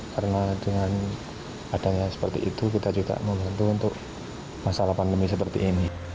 karena dengan adanya seperti itu kita juga membantu untuk masalah pandemi seperti ini